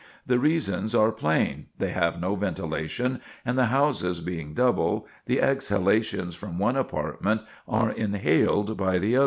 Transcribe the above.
The reasons are plain: they have no ventilation, and the houses being double, the exhalations from one apartment are inhaled by the other.